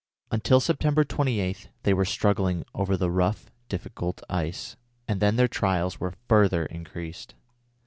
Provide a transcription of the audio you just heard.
Until September 28 they were struggling over the rough, difficult ice, and then their trials were further increased.